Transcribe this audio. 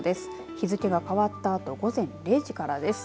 日付が変わったあと午前０時からです。